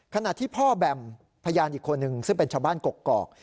ขณะที่พ่อแบมพยานอีกคนนึงซึ่งเป็นชาวบ้านกกอก